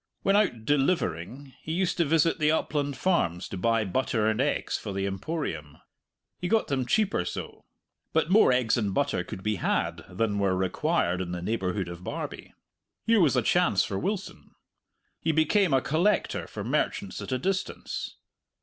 When out "delivering" he used to visit the upland farms to buy butter and eggs for the Emporium. He got them cheaper so. But more eggs and butter could be had than were required in the neighbourhood of Barbie. Here was a chance for Wilson! He became a collector for merchants at a distance.